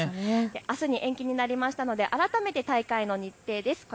あすに延期になりましたので改めて大会の日程です。